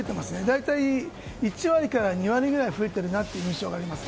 大体、１割から２割ぐらい増えている印象があります。